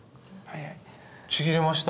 ちぎれました。